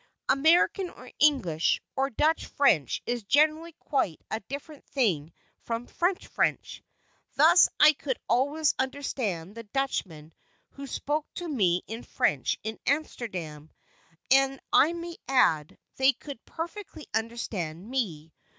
American, or English, or Dutch French is generally quite a different thing from "French French." Thus I could always understand the Dutchmen who spoke to me in French in Amsterdam, and I may add, they could perfectly understand me.